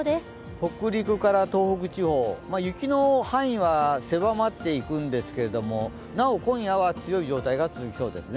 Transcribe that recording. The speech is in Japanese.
北陸から東北地方雪の範囲は狭まっていくんですけれどもなお、今夜は強い状態が続きそうですね。